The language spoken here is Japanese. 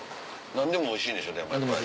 何でもおいしいですよ。